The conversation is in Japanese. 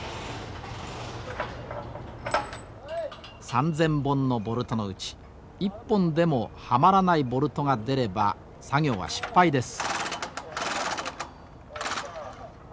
３，０００本のボルトのうち１本でもはまらないボルトが出れば作業は失敗です。